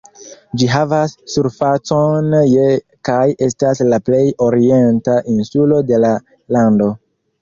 Ĝi havas surfacon je kaj estas la plej orienta insulo de la lando.